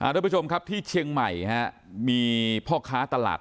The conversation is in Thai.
ทุกผู้ชมครับที่เชียงใหม่มีพ่อค้าตลาด